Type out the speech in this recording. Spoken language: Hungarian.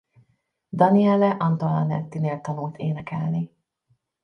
Daniele Antoniettinél tanult énekelni.